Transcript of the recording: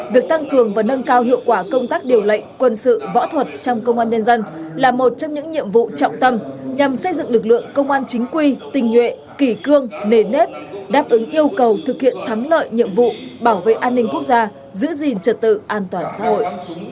việc tăng cường và nâng cao hiệu quả công tác điều lệnh quân sự võ thuật trong công an nhân dân là một trong những nhiệm vụ trọng tâm nhằm xây dựng lực lượng công an chính quy tình nhuệ kỷ cương nề nếp đáp ứng yêu cầu thực hiện thắng lợi nhiệm vụ bảo vệ an ninh quốc gia giữ gìn trật tự an toàn xã hội